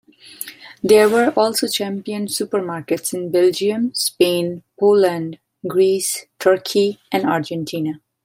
There were also Champion supermarkets in Belgium, Spain, Poland, Greece, Turkey and Argentina.